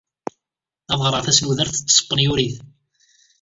Ad ɣreɣ tasnudert ed tespenyulit.